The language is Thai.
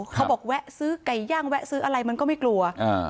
แวะซื้อไก่ย่างแวะซื้ออะไรมันก็ไม่กลัวอ่า